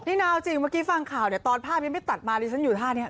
เมื่อกี้ฟังข่าวตอนภาพยังไม่ตัดมาชั้นอยู่ท่านี่